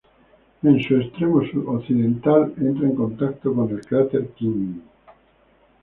En su extremo sudoccidental entra en contacto con el cráter King.